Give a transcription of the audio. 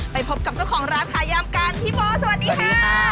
ไปพบกับเจ้าของร้านขายามกันพี่โบสวัสดีค่ะ